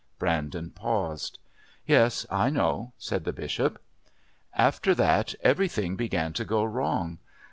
Brandon paused. "Yes, I know," said the Bishop. "After that everything began to go wrong.